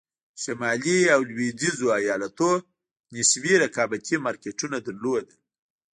شلي او لوېدیځو ایالتونو نسبي رقابتي مارکېټونه لرل.